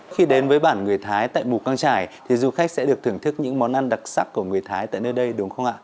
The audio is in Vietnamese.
khi đến với bản người thái tại mù căng trải thì du khách sẽ được thưởng thức những món ăn đặc sắc của người thái tại nơi đây đúng không ạ